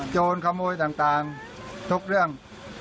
โจรขโมยต่างทุกเรื่อง